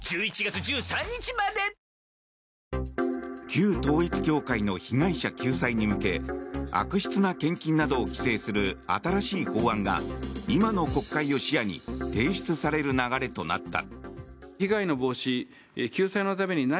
旧統一教会の被害者救済に向け悪質な献金などを規制する新しい法案が今の国会を視野に提出される流れとなった。